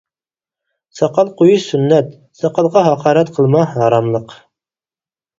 -ساقال قويۇش سۈننەت ساقالغا ھاقارەت قىلما ھاراملىق.